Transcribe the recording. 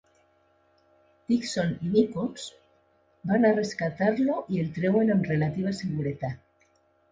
Dixon i Nichols van a rescatar-lo i el treuen amb relativa seguretat.